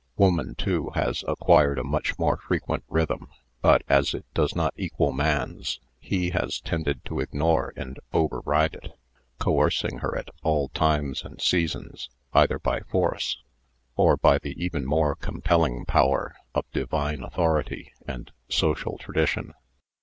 Woman, too, has acquired a much more frequent rhythm; but, as it does not equal man's, he has tended to ignore and over ride it, coercing her at all times and seasons, either by force, or by the even more compelling power of " divine " authority and social tradition.